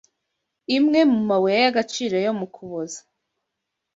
Imwe mu mabuye y'agaciro yo mu Kuboza